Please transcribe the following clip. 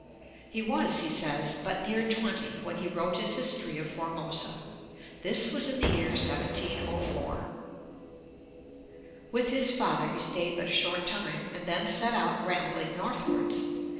He was, he says, 'but near twenty' when he wrote his History of Formosa (p. 184). This was in the year 1704. With his father he stayed but a short time, and then set out rambling northwards.